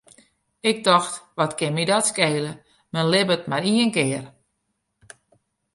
Ik tocht, wat kin my dat skele, men libbet mar ien kear.